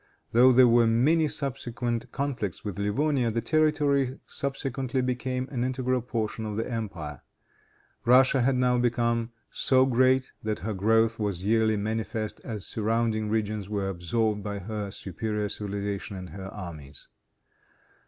Though there were many subsequent conflicts with Livonia, the territory subsequently became an integral portion of the empire. Russia had now become so great, that her growth was yearly manifest as surrounding regions were absorbed by her superior civilization and her armies.